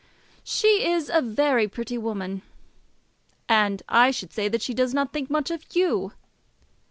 "She is a very pretty woman." "And I should say that she does not think much of you."